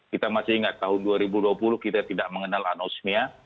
kita masih ingat tahun dua ribu dua puluh kita tidak mengenal anosmia